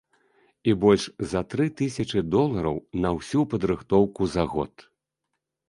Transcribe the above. І больш за тры тысячы долараў на ўсю падрыхтоўку за год!